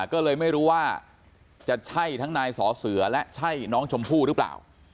ก็เลยไม่รู้ว่าจะใช่ทั้งนายสอเสือและใช่น้องชมพู่หรือเปล่า